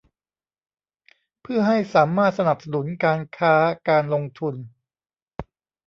เพื่อให้สามารถสนับสนุนการค้า การลงทุน